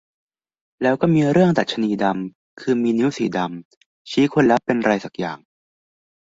แล้วก็มีเรื่องดรรชนีดำ คือมีนิ้วสีดำ ชี้คนแล้วเป็นไรสักอย่าง